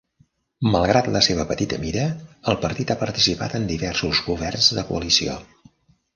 Malgrat la seva petita mida, el partit ha participat en diversos governs de coalició.